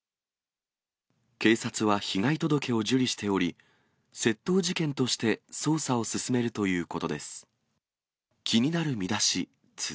警察は被害届を受理しており、窃盗事件として捜査を進めるということです。